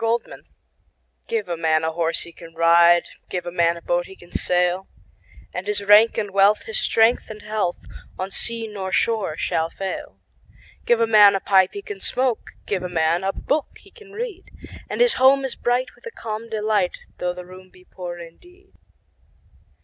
Gifts GIVE a man a horse he can ride, Give a man a boat he can sail; And his rank and wealth, his strength and health, On sea nor shore shall fail. Give a man a pipe he can smoke, 5 Give a man a book he can read: And his home is bright with a calm delight, Though the room be poor indeed.